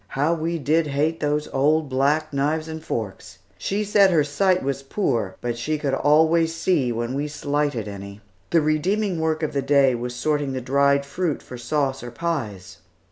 How we did hate those old black knives and forks! She said her sight was poor but she could always see when we slighted any. The redeeming work of the day was sorting the dried fruit for sauce or pies.